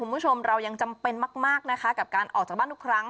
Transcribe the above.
คุณผู้ชมเรายังจำเป็นมากนะคะกับการออกจากบ้านทุกครั้ง